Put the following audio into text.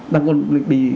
nằm còn bị